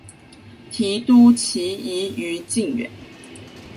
提督旗移于靖远。